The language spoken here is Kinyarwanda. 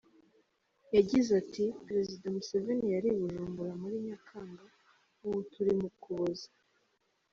Yagize ati “Perezida Museveni yari i Bujumbura muri Nyakanga, ubu turi mu Ukuboza.